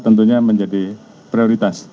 tentunya menjadi prioritas